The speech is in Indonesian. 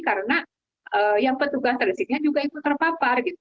karena yang petugas tracingnya juga terpapar